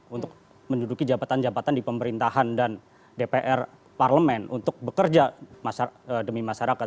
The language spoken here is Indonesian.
untuk menduduki jabatan jabatan di pemerintahan dan dpr parlemen untuk bekerja demi masyarakat